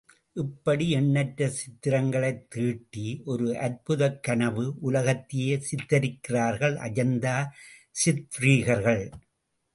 இப்படி எண்ணற்ற சித்திரங்களைத் தீட்டி ஒரு அற்புதக் கனவு உலகத்தையே சித்திரிக்கிறார்கள் அஜந்தா சித்ரீகர்கள்.